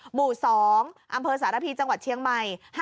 หมู่๒อำเภอสารพีจังหวัดเชียงใหม่